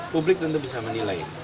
publik tentu bisa menilai